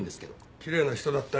きれいな人だったよ。